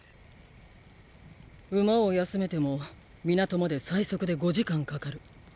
馬を休めても港まで最速で５時間かかる。